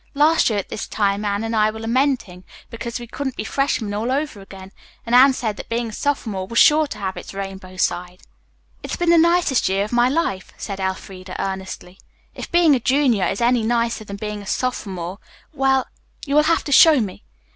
Last year at this time Anne and I were lamenting because we couldn't be freshmen all over again, and Anne said that being a sophomore was sure to have its rainbow side." "It has been the nicest year of my life," said Elfreda earnestly. "If being a junior is any nicer than being a sophomore well you will have to show me.